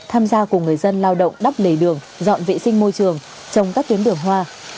tham gia cùng người dân lao động đắp lề đường dọn vệ sinh môi trường trong các tuyến đường hoa